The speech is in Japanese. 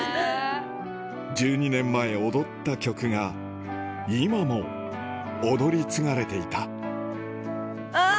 １２年前踊った曲が今も踊り継がれていたあ！